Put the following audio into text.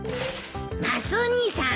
マスオ兄さん